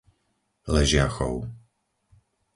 Ležiachov